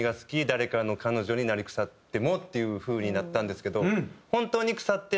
「誰かの彼女になりくさっても」っていう風になったんですけど。